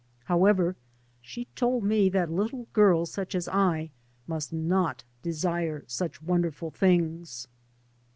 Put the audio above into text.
However, she told me that little girls such as I must not de sire such wonderful things.